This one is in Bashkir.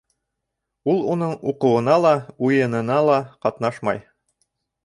Ул уның уҡыуына ла, уйынына ла ҡатнашмай.